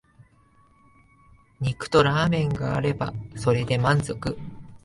肉とラーメンがあればそれで満足